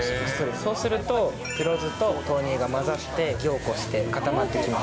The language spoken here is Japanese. そうすると、黒酢と豆乳が混ざって、凝固して、固まってきます。